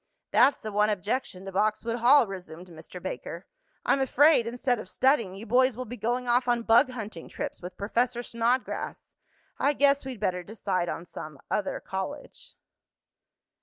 "That's the one objection to Boxwood Hall," resumed Mr. Baker. "I'm afraid instead of studying, you boys will be going off on bug hunting trips with Professor Snodgrass. I guess we'd better decide on some other college."